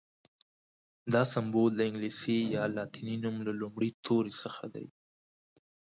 دا سمبول د انګلیسي یا لاتیني نوم له لومړي توري څخه دی.